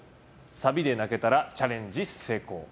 サビで泣けたらチャレンジ成功。